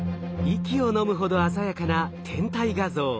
息をのむほど鮮やかな天体画像。